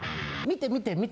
見て見て！